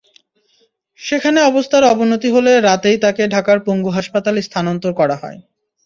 সেখানে অবস্থার অবনতি হলে রাতেই তাঁকে ঢাকার পঙ্গু হাসপাতালে স্থানান্তর করা হয়।